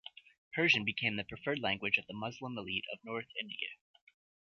Persian became the preferred language of the Muslim elite of north India.